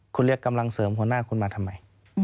คุณเรียกกำลังเสริมหัวหน้าคุณมาทำไม